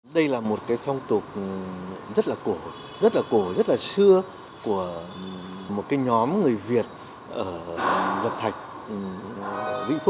đây là một phong tục rất là cổ rất là cổ rất là xưa của một nhóm người việt ở lập thạch